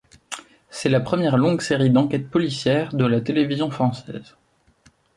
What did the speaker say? C'est la première longue série d'enquêtes policières de la télévision française.